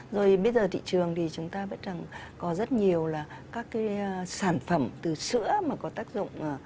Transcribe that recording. rồi bây giờ thị trường thì chúng ta biết rằng có rất nhiều là các cái sản phẩm từ sữa mà có tác dụng